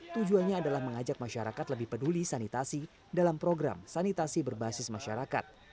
tujuannya adalah mengajak masyarakat lebih peduli sanitasi dalam program sanitasi berbasis masyarakat